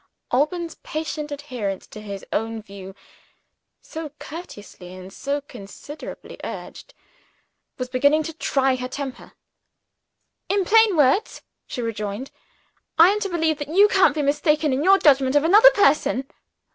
Alban's patient adherence to his own view so courteously and considerately urged was beginning to try her temper. "In plain words," she rejoined, "I am to believe that you can't be mistaken in your judgment of another person."